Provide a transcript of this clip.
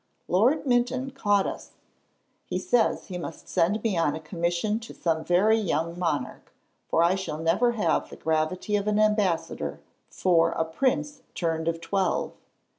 Lord Minto caught us. He says he must send me on a commission to some very young monarch, for that I shall never have the gravity of an ambassador for a prince turned of twelve.